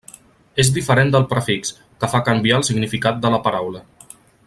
És diferent del prefix, que fa canviar el significat de la paraula.